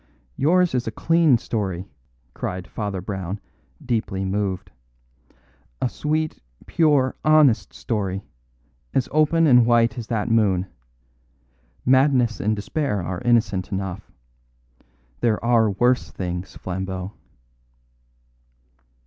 "Yours is a clean story," cried Father Brown, deeply moved. "A sweet, pure, honest story, as open and white as that moon. Madness and despair are innocent enough. There are worse things, Flambeau."